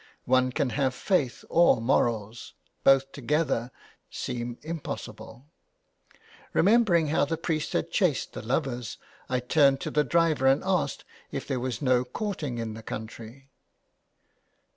One can have faith or morals, both together seem impossible. Remembering how the priest had chased the lovers, I turned to the driver and asked if there was no courting in the country.